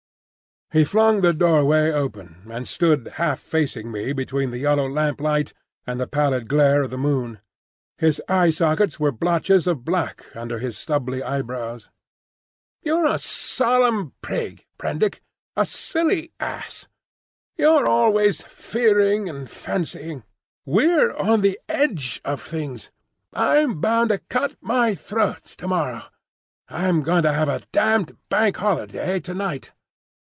He flung the doorway open, and stood half facing me between the yellow lamp light and the pallid glare of the moon; his eye sockets were blotches of black under his stubbly eyebrows. "You're a solemn prig, Prendick, a silly ass! You're always fearing and fancying. We're on the edge of things. I'm bound to cut my throat to morrow. I'm going to have a damned Bank Holiday to night."